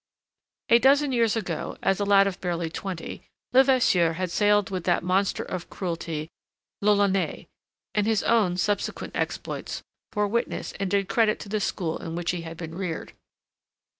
A dozen years ago, as a lad of barely twenty, Levasseur had sailed with that monster of cruelty L'Ollonais, and his own subsequent exploits bore witness and did credit to the school in which he had been reared.